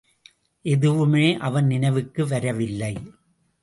எதுவுமே அவன் நினைவுக்கு வரவில்லை.